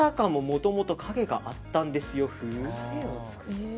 もともと影があったんですよ風に。